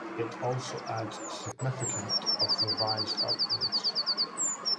It also adds a significant of revised upgrades.